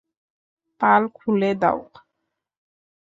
পাল খুলে দাও।